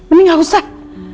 ini gak usah